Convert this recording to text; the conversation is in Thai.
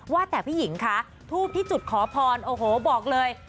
ว่าแต่พี่หญิงคะทูบที่จุดขอพรโอ้โหบอกเลย